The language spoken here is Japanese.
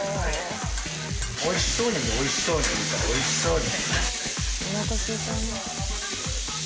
おいしそうにおいしそうにおいしそうに。